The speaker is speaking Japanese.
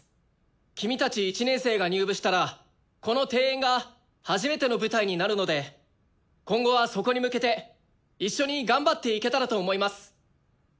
君たち１年生が入部したらこの定演が初めての舞台になるので今後はそこに向けて一緒に頑張っていけたらと思います。